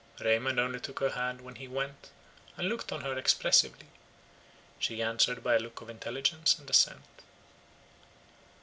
Raymond only took her hand when he went, and looked on her expressively; she answered by a look of intelligence and assent.